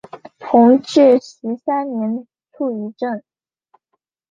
弘治十三年卒于任。